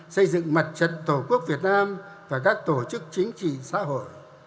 xây dựng mật chất tổ quốc việt nam và các tổ chức chính trị xã hội